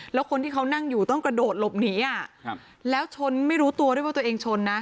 แล้วคนที่เขานั่งอยู่ต้องกระโดดหลบหนีอ่ะครับแล้วชนไม่รู้ตัวด้วยว่าตัวเองชนนะ